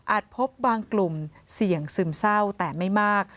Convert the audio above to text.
พบบางกลุ่มเสี่ยงซึมเศร้าแต่ไม่มาก